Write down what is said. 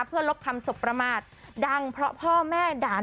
เพื่อลบคำสบประมาทดังเพราะพ่อแม่ด่าน